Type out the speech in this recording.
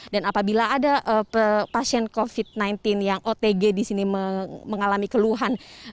dan apabila ada pasien covid sembilan belas yang otg di sini mengalami keluhan